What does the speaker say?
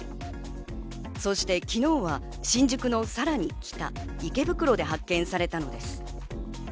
そして昨日は新宿のさらに北、池袋で発見されたのです。